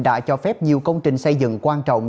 đã cho phép nhiều công trình xây dựng quan trọng